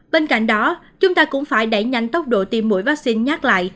bên cạnh đó chúng ta cũng phải đẩy nhanh tốc độ tiêm mũi vaccine nhắc lại